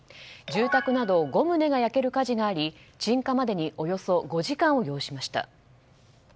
住宅など５棟が焼ける火事があり鎮火までにおよそ５時間を要しました。